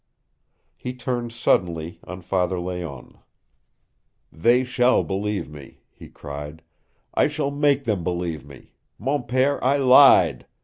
He turned suddenly on Father Layonne. "They shall believe me!" he cried. "I shall make them believe me! Mon pere, I lied!